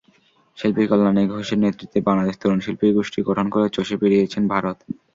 শিল্পী কল্যাণী ঘোষের নেতৃত্বে বাংলাদেশ তরুণ শিল্পীগোষ্ঠী গঠন করে চষে বেড়িয়েছেন ভারত।